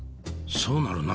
そうなるな。